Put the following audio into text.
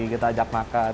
kita ajak makan